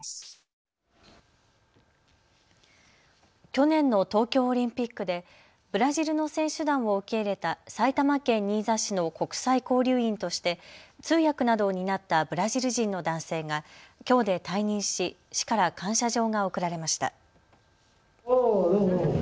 去年の東京オリンピックでブラジルの選手団を受け入れた埼玉県新座市の国際交流員として通訳などを担ったブラジル人の男性がきょうで退任し市から感謝状が贈られました。